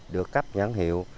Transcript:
được cắp nhãn hiệu